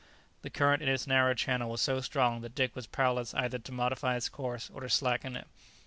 The current in its narrow channel was so strong that Dick was powerless either to modify his course or to slacken it.